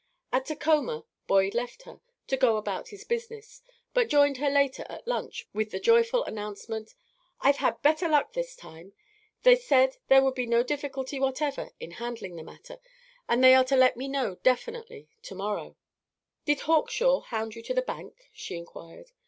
At Tacoma Boyd left her, to go about his business, but joined her later at lunch, with the joyful announcement: "I've had better luck, this time. They said there would be no difficulty whatever in handling the matter, and they are to let me know definitely to morrow." "Did Hawkshaw hound you to the bank?" she inquired.